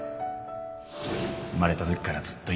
生まれたときからずっと一緒